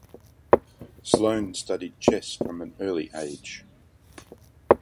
Sloan studied chess from an early age.